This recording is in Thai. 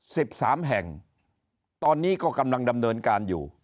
สิบสามแห่งตอนนี้ก็กำลังดำเนินการอยู่